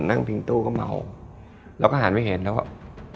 นั่งพิงตู้ก็เมาแล้วก็หันไม่เห็นแล้วแบบ